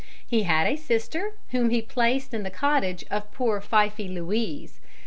He had a sister whom he placed in the cottage of poor 'Pfeiffe Louise.'